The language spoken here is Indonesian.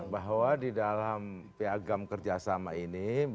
bahwa di dalam piagam kerjasama ini